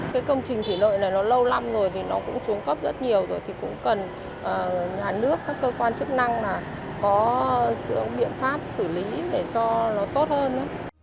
cái công trình chỉ lợi này nó lâu lắm rồi nó cũng xuống cấp rất nhiều rồi thì cũng cần nhà nước các cơ quan chức năng có sự biện pháp xử lý để cho nó tốt hơn